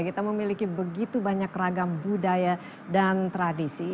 kita memiliki begitu banyak ragam budaya dan tradisi